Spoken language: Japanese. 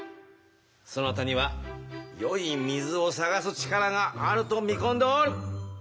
そなたにはよい水を探す力があると見込んでおる。